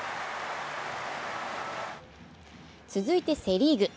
続いてセ・リーグ。